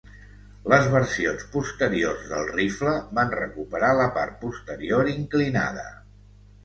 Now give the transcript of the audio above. Les versions posteriors del rifle van recuperar la part posterior inclinada.